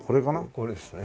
これですね。